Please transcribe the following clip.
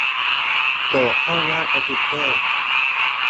โกรธก็วาดสติกเกอร์